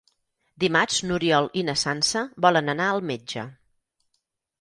Dimarts n'Oriol i na Sança volen anar al metge.